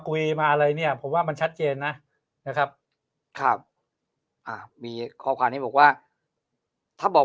คุยมาอะไรเนี่ยผมว่ามันชัดเจนนะนะครับครับอ่ามีข้อความนี้บอกว่าถ้าบอก